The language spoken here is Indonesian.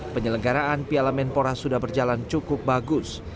penyelenggaraan piala menpora sudah berjalan cukup bagus